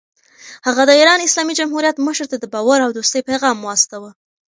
هغه د ایران اسلامي جمهوریت مشر ته د باور او دوستۍ پیغام واستاوه.